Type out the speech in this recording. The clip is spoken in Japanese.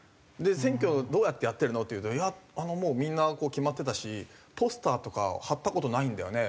「選挙どうやってやってるの？」って言うと「いやもうみんな決まってたしポスターとか貼った事ないんだよねうち」とか。